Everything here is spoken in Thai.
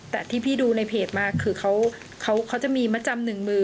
แต่ที่พี่ดูในเพจมาคือเขาจะมีมจม๑๐๐๐๐